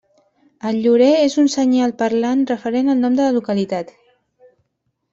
El llorer és un senyal parlant referent al nom de la localitat.